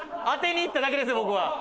当てにいっただけです僕は。